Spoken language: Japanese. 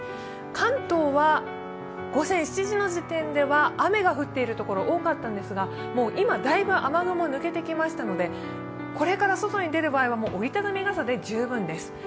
関東は午前７時の時点では雨が降っている所多かったんですがもう今、だいぶ雨雲は抜けてきましたので、これから外に出る場合は折り畳み傘で十分です。